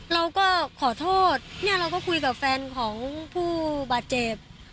เราก็ขอโทษเนี่ยเราก็คุยกับแฟนของผู้บาดเจ็บ